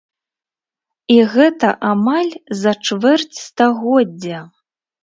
І гэта амаль за чвэрць стагоддзя!